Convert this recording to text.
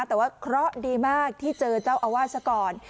แต่ว่าเคราะห์ดีมากที่เจอเจ้าอาวาสซะก่อน